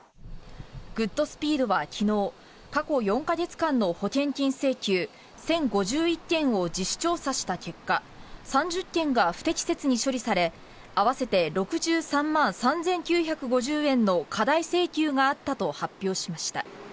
グッドスピードは昨日過去４か月間の保険金請求１０５１件を自主調査した結果３０件が不適切に処理され合わせて６３万３９５０円の過大請求があったと発表しました。